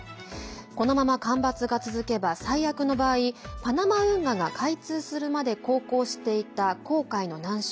このまま干ばつが続けば最悪の場合パナマ運河が開通するまで航行していた航海の難所